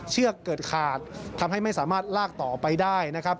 เชือกเกิดขาดทำให้ไม่สามารถลากต่อไปได้นะครับ